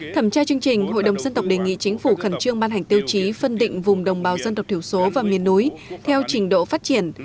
thẩm tra chương trình hội đồng dân tộc đề nghị chính phủ khẩn trương ban hành tiêu chí phân định vùng đồng bào dân tộc thiểu số và miền núi theo trình độ phát triển